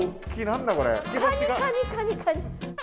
カニカニカニカニ。